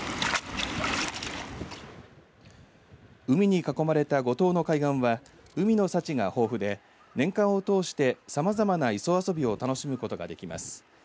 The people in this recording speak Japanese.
海に囲まれた五島の海岸は海の幸が豊富で、年間を通してさまざま磯遊びを楽しむことができます。